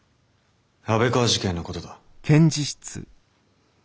安倍川事件のことだ。